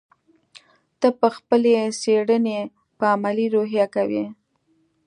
ته به خپلې څېړنې په علمي روحیه کوې.